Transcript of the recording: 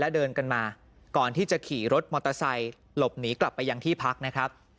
เดินกันมาก่อนที่จะขี่รถมอเตอร์ไซค์หลบหนีกลับไปยังที่พักนะครับ